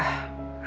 sampai jumpa lagi